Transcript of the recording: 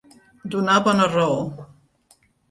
Donar bona raó.